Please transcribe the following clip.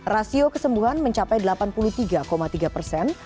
rasio kesembuhan mencapai delapan puluh tiga tiga persen